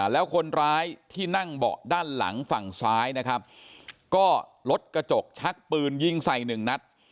แล้วคนร้ายที่นั่งเบาะด้านหลังฝั่งซ้ายนะครับก็ลดกระจกชักปืนยิงใส่หนึ่งนัด